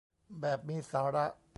แบบมีสาระ